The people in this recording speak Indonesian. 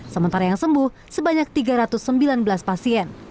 sementara yang sembuh sebanyak tiga ratus sembilan belas pasien